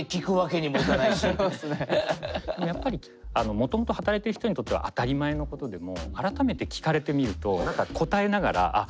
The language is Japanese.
もともと働いてる人にとっては当たり前のことでも改めて聞かれてみると何か答えながらあっ